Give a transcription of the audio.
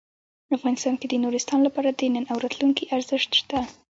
افغانستان کې د نورستان لپاره د نن او راتلونکي ارزښت شته.